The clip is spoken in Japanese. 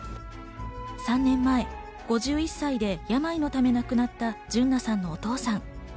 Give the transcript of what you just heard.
３年前、５１歳で病のため亡くなった純奈さんのお父さん。